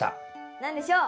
何でしょう？